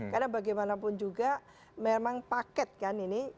karena bagaimanapun juga memang paket kan ini